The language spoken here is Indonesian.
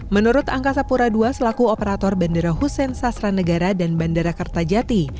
menurut angkasa pura ii selaku operator bandara hussein sasra negara dan bandara kertajati